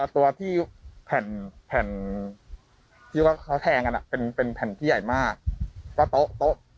ตัวที่แผ่นที่ว่าเขาแทงกันเป็นแผ่นที่ใหญ่มากว่าโต๊ะโต๊ะ